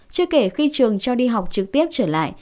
chưa kể khi trường cho đi học trực tiếp trở lại